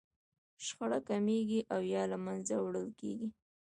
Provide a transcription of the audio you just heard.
شخړه کمیږي او يا له منځه وړل کېږي.